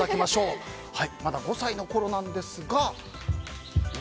まだ５歳のころなんですが。